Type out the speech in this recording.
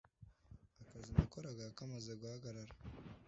“akazi nakoraga kamaze guhagarara